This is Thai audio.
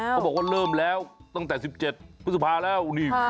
เขาบอกว่าเริ่มแล้วตั้งแต่๑๗พฤษภาแล้ว